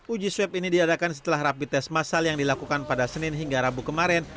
uji swab ini diadakan setelah rapi tes masal yang dilakukan pada senin hingga rabu kemarin